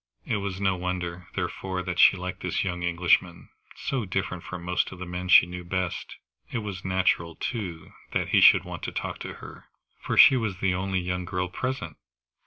It was no wonder, therefore, that she liked this young Englishman, so different from most of the men she knew best. It was natural, too, that he should want to talk to her, for she was the only young girl present.